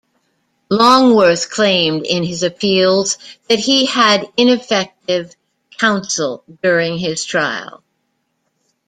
Longworth claimed in his appeals that he had inaffective counsel during his trial.